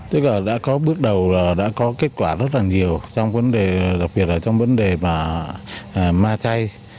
tức là đã có bước đầu đã có kết quả rất là nhiều đặc biệt là trong vấn đề ma chai